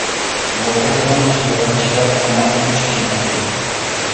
نۇرغۇنلىغان تۇتۇلغان كىشىلەر قاماقتىن چىقىشى مۇمكىن.